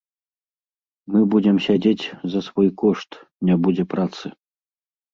Мы будзем сядзець за свой кошт, не будзе працы.